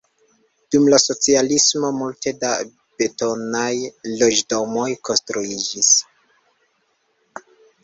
Dum la socialismo multe da betonaj loĝdomoj konstruiĝis.